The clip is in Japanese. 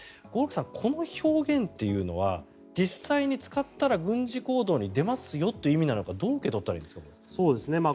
合六さん、この表現というのは実際に使ったら軍事行動に出ますよという意味なのかどう受け取ったらいいんですか？